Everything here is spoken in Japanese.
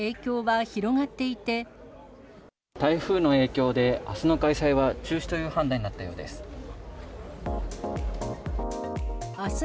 台風の影響で、あすの開催は中止という判断になったようです。